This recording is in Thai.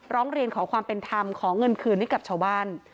ร้องเรียนขอความเป็นธรรมขอเงินคืนให้กับชาวบ้าน